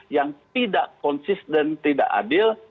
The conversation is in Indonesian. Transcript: yang tidak konsis dan tidak adil